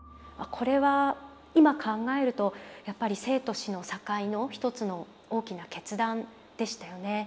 これは今考えるとやっぱり生と死の境の一つの大きな決断でしたよね。